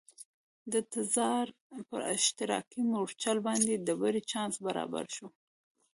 د تزار پر اشتراکي مورچل باندې د بري چانس برابر شو.